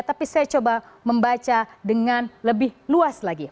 tapi saya coba membaca dengan lebih luas lagi